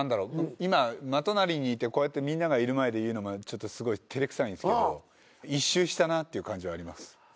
今真隣にいてこうやってみんながいる前で言うのもすごい照れくさいんすけど一周したなっていう感じはあります。